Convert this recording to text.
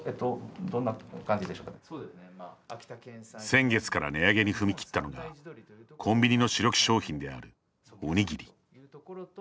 先月から値上げに踏み切ったのがコンビニの主力商品であるおにぎり。